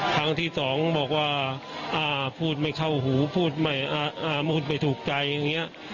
ครั้งที่สองบอกว่าพูดไม่เข้าหูพูดไม่ถูกใจ